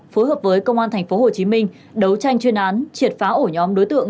phối hợp với công an tp hcm đấu tranh chuyên án triệt phá ổ nhóm đối tượng